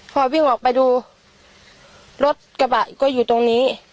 พอวิ่งออกไปดูรถกระบะก็อยู่ตรงนี้